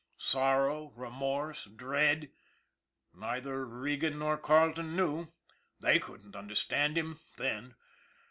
Sorrow, remorse, dread neither Regan nor Carleton knew. They couldn't understand him then.